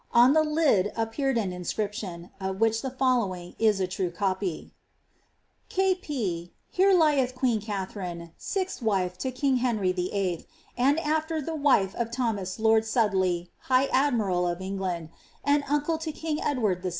On the lid appeared an inscription, of which the fol!owiii| is a true copy :— K. P. Here lyeth Qnene Katharine nth wife to Kyng Henry the viuth and after the wif of Thomas lord of Suddeley high Admyrall of England And Tncle to Eyng Edward the ▼